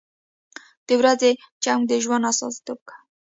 • د ورځې چمک د ژوند استازیتوب کوي.